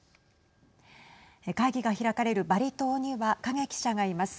会議が開かれるバリ島には影記者がいます。